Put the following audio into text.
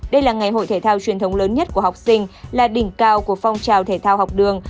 đây là ngày hội thể thao truyền thống lớn nhất của học sinh là đỉnh cao của phong trào thể thao học đường